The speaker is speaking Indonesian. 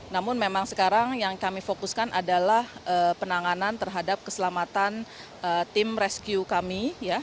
namun memang sekarang yang kami fokuskan adalah penanganan terhadap keselamatan tim rescue kami